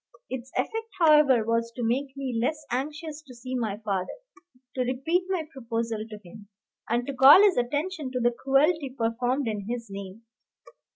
Its effect, however, was to make me less anxious to see my father, to repeat my proposal to him, and to call his attention to the cruelty performed in his name.